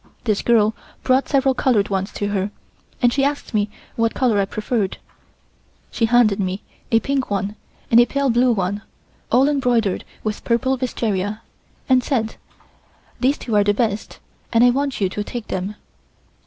This girl brought several colored ones to her, and she asked me what color I preferred. She handed me a pink one and a pale blue one, all embroidered with purple wisteria, and said: "These two are the best, and I want you to take them."